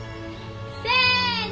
・せの！